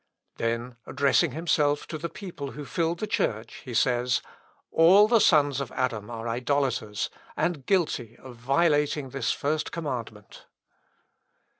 Then addressing himself to the people who filled the church, he says, "All the sons of Adam are idolaters, and guilty of violating this First Commandment."